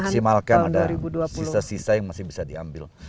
maksimalkan ada sisa sisa yang masih bisa diambil